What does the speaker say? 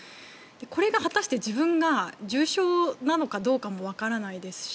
これが果たして自分が重症なのかどうかもわからないですし。